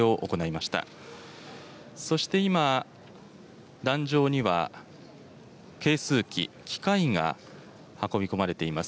そして今、壇上には計数機、機械が運び込まれています。